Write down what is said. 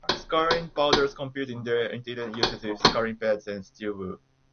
Scouring powders compete in their intended uses with scouring pads and steel wool.